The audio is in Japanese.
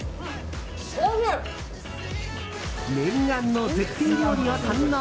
念願の絶品料理を堪能。